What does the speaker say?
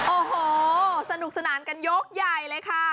โอ้โหสนุกสนานกันยกใหญ่เลยค่ะ